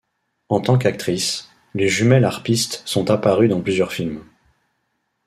En tant qu'actrices, les jumelles harpistes sont apparues dans plusieurs films.